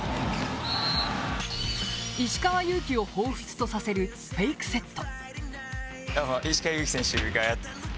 石川祐希を彷彿とさせるフェイクセット。